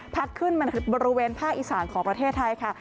ขึ้นมาบริเวณภาคอีสานของประเทศไทยค่ะ